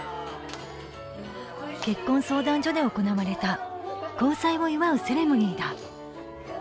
結婚相談所で行われた交際を祝うセレモニーだ。